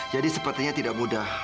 jadi sepertinya tidak mudah